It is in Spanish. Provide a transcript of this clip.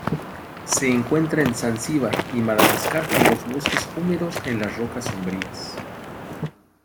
Se encuentra en Zanzibar y Madagascar en los bosques húmedos en las rocas sombrías.